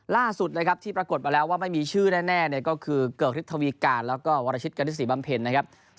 ล่าสุดนะครับที่ปรากฏมาแล้วว่าไม่มีชื่อแน่เนี่ยก็คือเกิกฤทธวีการแล้วก็วรชิตกณิตศรีบำเพ็ญนะครับ